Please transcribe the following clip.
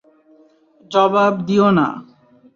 জবাব দিও না।